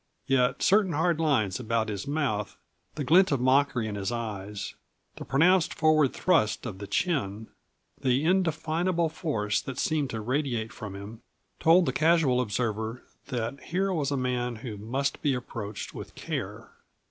Yet certain hard lines about his mouth, the glint of mockery in his eyes, the pronounced forward thrust of the chin, the indefinable force that seemed to radiate from him, told the casual observer that here was a man who must be approached with care.